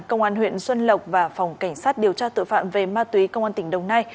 công an huyện xuân lộc và phòng cảnh sát điều tra tội phạm về ma túy công an tỉnh đồng nai